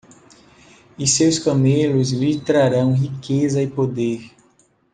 E seus camelos lhe trarão riqueza e poder.